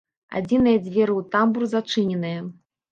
Адзіныя дзверы ў тамбур зачыненыя.